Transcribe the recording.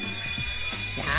さあ